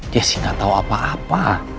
jessi nggak tahu apa apa